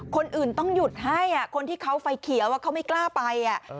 คนอื่นต้องหยุดให้คนที่เขาไฟเขียวเขาไม่กล้าไป